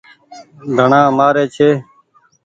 ڌڻآ مآري ڇي۔